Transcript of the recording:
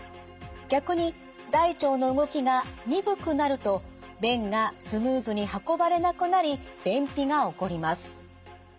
逆に大腸の動きが鈍くなると便がスムーズに運ばれなくなり便秘が起こります。